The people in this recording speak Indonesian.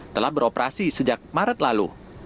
telah beroperasi sejak maret lalu